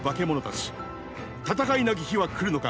戦いなき日は来るのか。